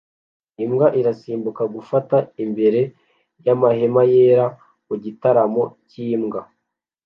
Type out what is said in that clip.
Imbwa irasimbuka gufata imbere yamahema yera mugitaramo cyimbwa